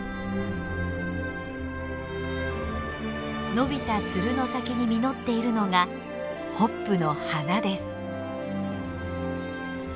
伸びたツルの先に実っているのがホップの花です。